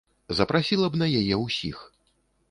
Запрасіла б на яе ўсіх.